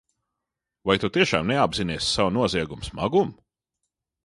Vai tu tiešām neapzinies savu noziegumu smagumu?